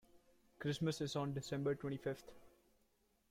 Christmas is on December twenty-fifth.